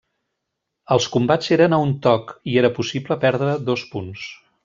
Els combats eren a un toc, i era possible perdre dos punts.